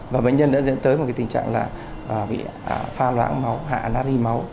và bệnh nhân đã dẫn tới một tình trạng là pha loãng máu hạ nari máu